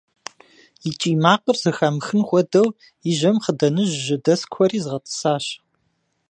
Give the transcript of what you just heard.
И кӀий макъыр зэхамыхын хуэдэу и жьэм хъыданыжь жьэдэскуэри згъэтӀысащ.